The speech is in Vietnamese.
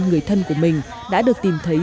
người thân của mình đã được tìm thấy